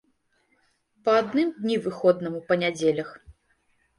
Па адным дні выходнаму па нядзелях.